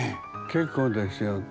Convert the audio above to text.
結構ですよ。